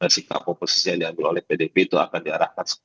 sikap oposisi yang diambil oleh pdip itu akan diarahkan